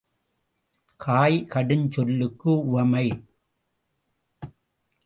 காய், கடுஞ் சொல்லுக்கு உவமை.